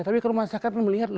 tapi kalau masyarakat melihat